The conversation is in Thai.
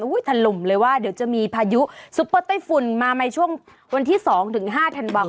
ถล่มเลยว่าเดี๋ยวจะมีพายุซุปเปอร์ไต้ฝุ่นมาในช่วงวันที่๒ถึง๕ธันวาคม